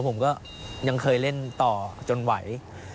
ผมก็ยังเคยเล่นต่อจนไหว